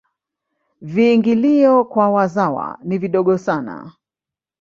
viingilio kwa wazawa ni vidogo sana